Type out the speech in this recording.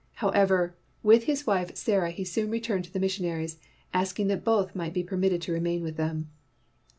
However, with his wife Sarah he soon returned to the missionaries, asking that both might be per mitted to remain with them.